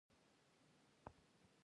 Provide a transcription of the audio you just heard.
که فیشن شيان قیمته شي نو قیمته دې شي.